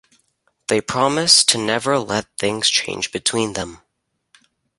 They promise to never let things change between them.